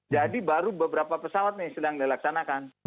jadi baru beberapa pesawat nih sedang dilaksanakan